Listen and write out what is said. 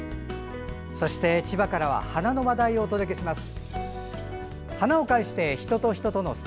そして千葉からは花の話題をお届けします。